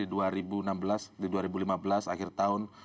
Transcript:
di dua ribu lima belas akhir tahun